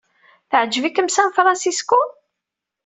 Teɛjeb-ikem San Francisco?